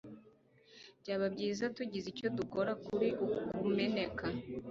byaba byiza tugize icyo dukora kuri uku kumeneka